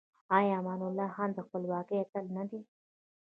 آیا امان الله خان د خپلواکۍ اتل نه دی؟